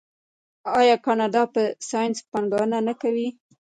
آیا کاناډا په ساینس پانګونه نه کوي؟